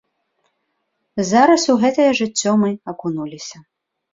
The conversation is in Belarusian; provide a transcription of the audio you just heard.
Зараз у гэтае жыццё мы акунуліся.